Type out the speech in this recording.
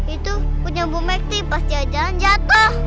itu punya bumekti pas dia jalan jatuh